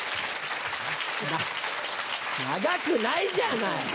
長くないじゃない。